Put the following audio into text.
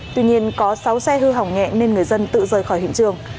tuy nhiên có sáu xe hư hỏng nhẹ nên người dân tự rời khỏi hiện trường